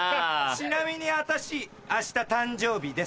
ちなみに私明日誕生日です。